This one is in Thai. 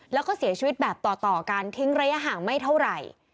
แล้วก็เสียชีวิตแบบต่อการทิ้งระยะห่างไม่เท่าไหร่